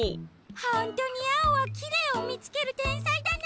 ほんとにアオはきれいをみつけるてんさいだな。